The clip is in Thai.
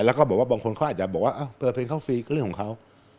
แล้วก็บอกว่าบางคนเขาอาจจะบอกว่าเปิดเพลงเขาฟรีก็เรื่องของเขา